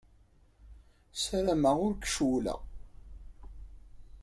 Ssarameɣ ur k-cewwleɣ.